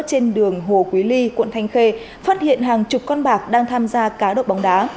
trên đường hồ quý ly quận thanh khê phát hiện hàng chục con bạc đang tham gia cá độ bóng đá